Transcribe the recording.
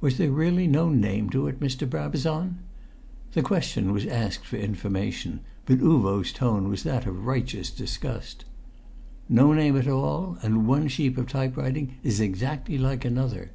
"Was there really no name to it, Mr. Brabazon?" The question was asked for information, but Uvo's tone was that of righteous disgust. "No name at all. And one sheet of type writing is exactly like another.